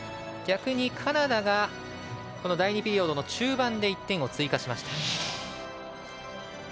逆にカナダが第２ピリオドの中盤で１点を追加しました。